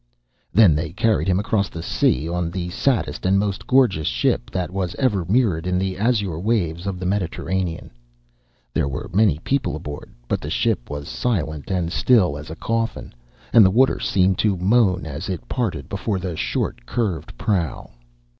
Then they carried him across the sea on the saddest and most gorgeous ship that was ever mirrored in the azure waves of the Mediterranean. There were many people aboard, but the ship was silent and still as a coffin, and the water seemed to moan as it parted before the short curved prow.